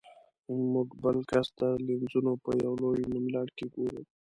موږ بل کس د لینزونو په یو لوی نوملړ کې ګورو.